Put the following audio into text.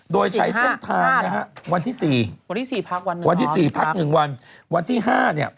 โดยใช้เส้นทางนะฮะวันที่๔พัก๑วันโอ้โหพี่ปั๊บวันที่๔พัก๑วัน